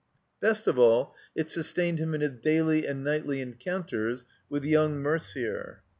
Best of all, it sustained him in his daily and nightly enootmters with yotmg Merder.